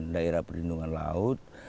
daerah perlindungan laut